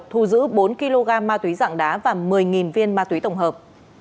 thu giữ bốn kg ma túy dạng đá và một mươi viên ma túy tổng hợp